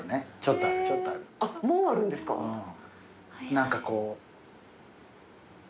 何かこう。